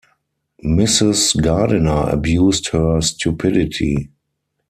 Mrs. Gardiner abused her stupidity.